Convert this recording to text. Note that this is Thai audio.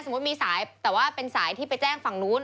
มีสายแต่ว่าเป็นสายที่ไปแจ้งฝั่งนู้น